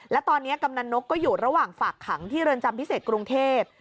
และตอนนี้กำนันนกก็อยู่ระหว่างฝากขังที่เรือนจำพิเศษกรุงเทพ